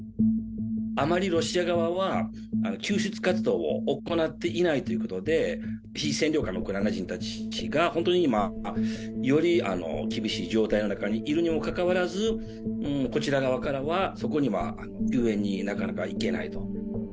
あまりロシア側は、救出活動を行っていないということで、被占領下のウクライナ人たちが、本当に今、より厳しい状態の中にいるにもかかわらず、こちら側からはそこには救援になかなか行けないと。